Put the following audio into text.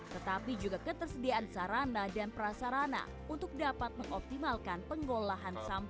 tetapi juga ketersediaan sarana dan prasarana untuk dapat mengoptimalkan pengolahan sampah